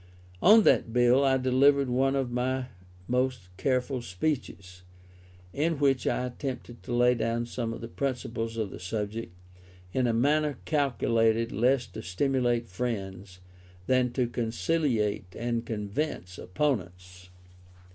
On that bill I delivered one of my most careful speeches, in which I attempted to lay down some of the principles of the subject, in a manner calculated less to stimulate friends, than to conciliate and convince opponents.